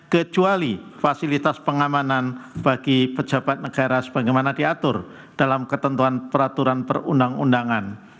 kecuali fasilitas pengamanan bagi pejabat negara sebagaimana diatur dalam ketentuan peraturan perundang undangan